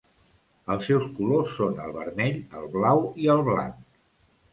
Els seus colors són el vermell, el blau i el blanc.